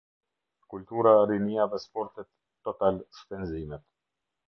Kultura, rinia dhe sportet Total Shpenzimet.